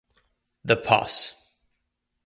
The poss.